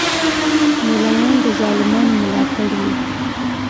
مولایان د ظالمانو ملاتړ وی